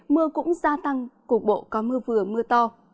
mưa cũng gia tăng cục bộ có mưa vừa mưa to